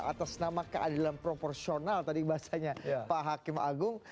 atas nama keadilan proporsional tadi bahasanya pak hakim agung